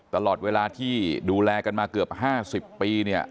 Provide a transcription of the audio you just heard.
ตลอดเวลาที่ดูแลกันมาเกือบ๕๐ปีเนี่ย